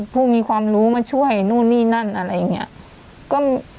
ผู้มีความรู้มาช่วยนู่นนี่นั่นอะไรอย่างนี้